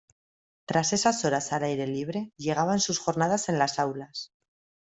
Tras esas horas al aire libre, llegaban sus jornadas en las aulas.